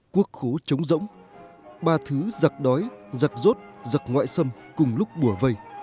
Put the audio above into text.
quốc khố chống rỗng ba thứ giặc đói giặc rốt giặc ngoại xâm cùng lúc bùa vây